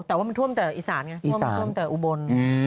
แต่ว่ามันท่วมแต่อีสานไงท่วมท่วมแต่อุบล